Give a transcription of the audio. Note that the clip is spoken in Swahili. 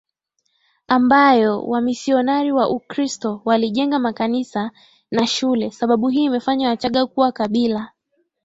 ambayo wamisionari wa Ukristo walijenga makanisa na shuleSababu hii imefanya Wachagga kuwa kabila